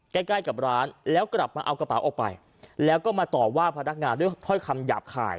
ใกล้ใกล้กับร้านแล้วกลับมาเอากระเป๋าออกไปแล้วก็มาต่อว่าพนักงานด้วยถ้อยคำหยาบคาย